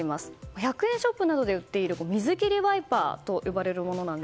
１００円ショップなどで売っている水切りワイパーとよばれるもの